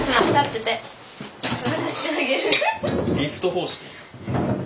リフト方式？